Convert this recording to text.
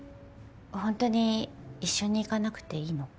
本当に一緒に行かなくていいの？